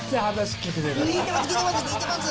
聞いてます